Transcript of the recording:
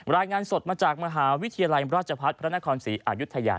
รายงานสดมาจากมหาวิทยาลัยราชพัฒน์พระนครศรีอายุทยา